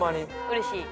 うれしい。